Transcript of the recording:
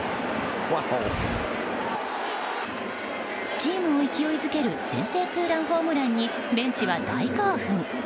チームを勢いづける先制ツーランホームランにベンチは大興奮。